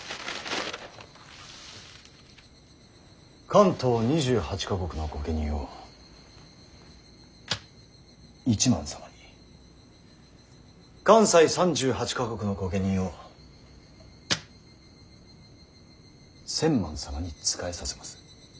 関東２８か国の御家人を一幡様に関西３８か国の御家人を千幡様に仕えさせます。